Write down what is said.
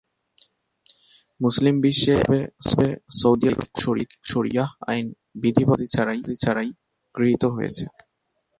মুসলিম বিশ্বে এককভাবে, Saudi Arab কর্তৃক শরিয়াহ আইন কোন বিধিবদ্ধ পদ্ধতি ছাড়াই গৃহীত হয়েছে।